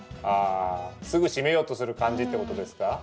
あすぐ閉めようとする感じってことですか？